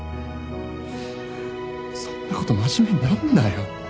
そんなこと真面目になんなよ。